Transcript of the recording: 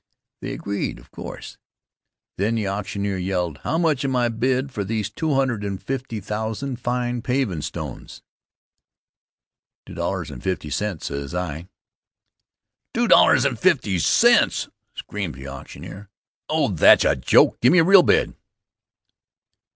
They agreed, of course. Then the auctioneer yelled: "How much am I bid for these 250,000 fine pavin' stones?" "Two dollars and fifty cents," says I. "Two dollars and fifty cents!" screamed the auctioneer. "Oh, that's a joke! Give me a real bid."